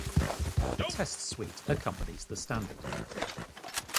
A test suite accompanies the standard.